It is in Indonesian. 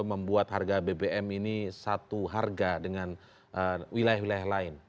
membuat harga bbm ini satu harga dengan wilayah wilayah lain